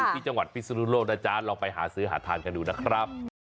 ที่จังหวัดพิศนุโลกนะจ๊ะลองไปหาซื้อหาทานกันดูนะครับ